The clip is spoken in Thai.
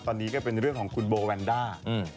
ตอนนี้ก็เป็นเรื่องของคุณโบแวนด้า